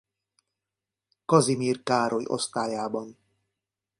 Kazimir Károly osztályában.